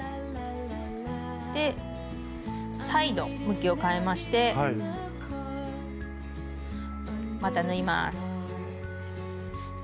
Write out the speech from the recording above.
で再度向きをかえましてまた縫います。